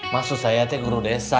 masuk saya teh guru desa